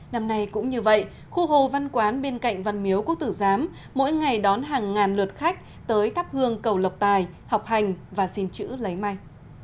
năm nay cũng như vậy khu hồ văn quán bên cạnh văn miếu quốc tử giám mỗi ngày đón hàng ngàn lượt khách tới thắp hương cầu lộc tài học hành và xin chữ lấy may